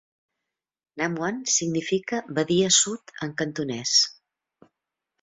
"Nam Wan" significa Badia Sud en cantonès.